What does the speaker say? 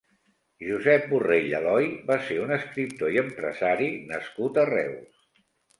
Josep Borrell Aloy va ser un escriptor i empresari nascut a Reus.